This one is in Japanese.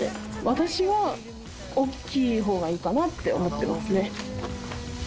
私は大きい方がいいかなって思ってますね。